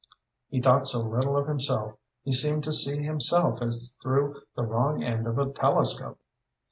He thought so little of himself, he seemed to see himself as through the wrong end of a telescope.